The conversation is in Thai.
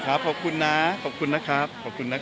นะครับขอบคุณนะขอบคุณนะครับ